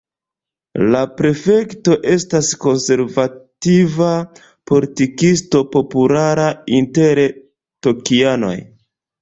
La prefekto estas konservativa politikisto populara inter tokianoj.